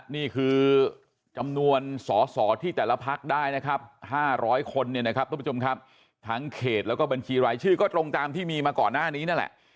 นี่คือจำนวนสอสอที่แต่ละพักได้นะครับ๕๐๐คนทั้งเขตแล้วก็บัญชีรายชื่อก็ตรงตามที่มีมาก่อนหน้านี้นั่นแหละ